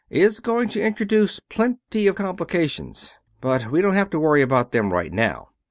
is going to introduce plenty of complications, but we don't have to worry about them right now.